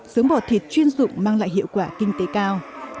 sướng bò thịt chuyên dụng mang lại hiệu quả kinh tế cao